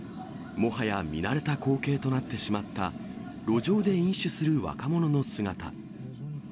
もはや見慣れた光景となってしまった路上で飲酒する若者の姿。